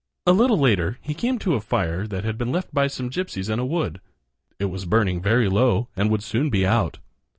A little later he came to a fire that had been left by some gypsies in a wood. It was burning very low and would soon be out.